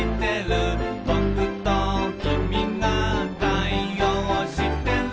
「ぼくときみが対応してる」